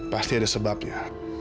pasti ada sebabnya